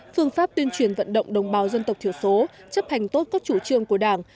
phương pháp tuyên truyền vận động đồng bào dân tộc thiểu số chấp hành tốt các chủ trương của đảng